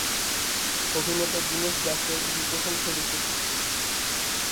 অভিনেতা দিনেশ দাসের এটি প্রথম ছবি ছিল।